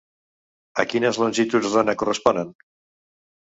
A quines longituds d'ona corresponen?